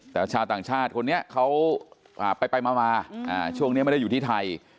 แต่ชาวต่างชาติคนนี้เขาไปมาช่วงนี้ไม่ได้อยู่ที่ไทย